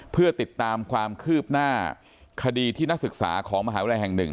เพื่อติดตามความคืบหน้าคดีที่นักศึกษาของมหาวิทยาลัยแห่งหนึ่ง